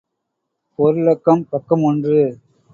பொருளடக்கம் பக்கம் ஒன்று.